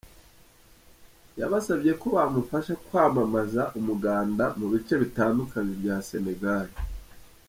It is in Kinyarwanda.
Yabasabye ko bamufasha kwamamaza umuganda mu bice bitandukanye bya Sénégal.